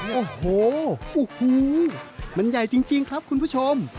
โอ้โหมันใหญ่จริงครับคุณผู้ชม